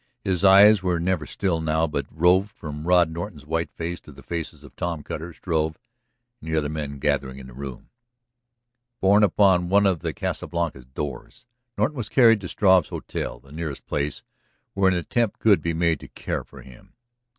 His eyes were never still now, but roved from Rod Norton's white face to the faces of Tom Cutter, Struve, and the other men gathering in the room. Borne upon one of the Casa Blanca's doors Norton was carried to Struve's hotel, the nearest place where an attempt could be made to care for him.